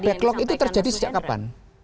backlog itu terjadi sejak kapan